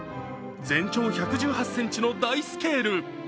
全長１１８ｃｍの大スケール。